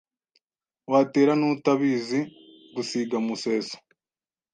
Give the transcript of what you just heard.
Watera n'utabizi gusiga Museso